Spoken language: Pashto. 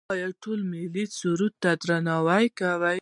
آیا ټول ملي سرود ته درناوی کوي؟